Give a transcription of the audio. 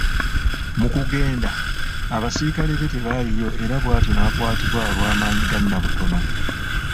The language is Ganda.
Mu kugenda, abaserikale be tebaaliyo era bw’atyo n’akwatibwa olw’amaanyi ga Nnabutono.